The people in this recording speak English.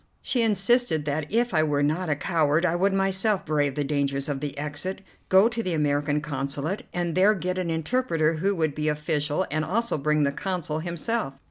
She insisted that if I were not a coward I would myself brave the dangers of the exit, go to the American Consulate, and there get an interpreter who would be official, and also bring the Consul himself.